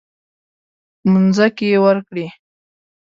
مځکې ورکړې.